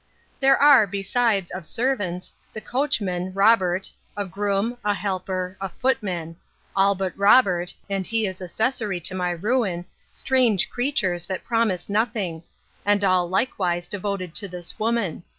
There are, besides, of servants, the coachman, Robert, a groom, a helper, a footman; all but Robert, (and he is accessary to my ruin,) strange creatures, that promise nothing; and all likewise devoted to this woman.